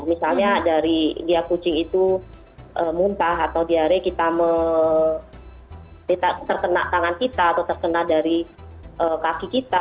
misalnya dari dia kucing itu muntah atau diare kita terkena tangan kita atau terkena dari kaki kita